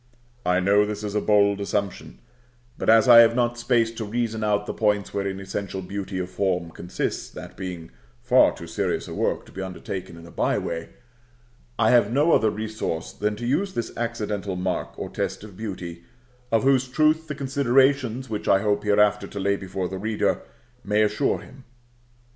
I know this is a bold assumption; but as I have not space to reason out the points wherein essential beauty of form consists, that being far too serious a work to be undertaken in a bye way, I have no other resource than to use this accidental mark or test of beauty, of whose truth the considerations which I hope hereafter to lay before the reader may assure him.